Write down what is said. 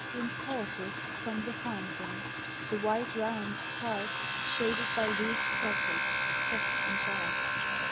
In pauses, from the fountain,— the white round Part shaded by loose tresses, soft and dark.